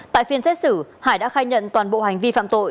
tại phiên xét xử hải đã khai nhận toàn bộ hành vi phạm tội